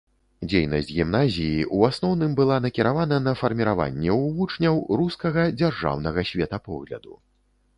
Дзейнасць гімназіі ў асноўным была накіравана на фарміраванне ў вучняў рускага дзяржаўнага светапогляду.